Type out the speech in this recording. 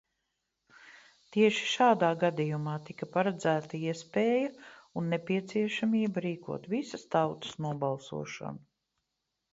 Tieši šādā gadījumā tika paredzēta iespēja un nepieciešamība rīkot visas tautas nobalsošanu.